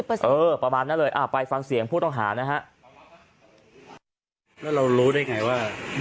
เออประมาณนั้นเลยไปฟังเสียงผู้ต้องหานะฮะ